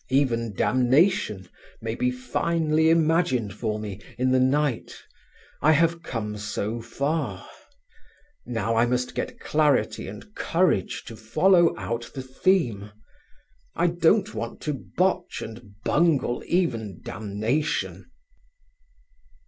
"Even damnation may be finely imagined for me in the night. I have come so far. Now I must get clarity and courage to follow out the theme. I don't want to botch and bungle even damnation."